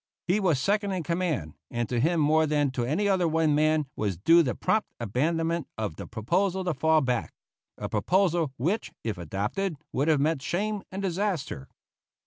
He was second in command; and to him more than to any other one man was due the prompt abandonment of the proposal to fall back a proposal which, if adopted, would have meant shame and disaster.